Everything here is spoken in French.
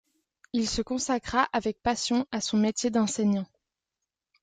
Il se consacra avec passion à son métier d’enseignant.